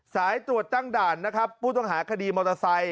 สายตรวจตั้งด่านนะครับผู้ต้องหาคดีมอเตอร์ไซค